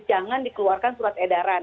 jangan dikeluarkan surat edaran